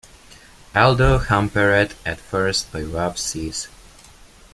Although hampered at first by rough seas.